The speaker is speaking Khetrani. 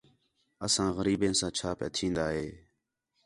اساں غریبیں ساں چھا پِیا تِھین٘دا ہِے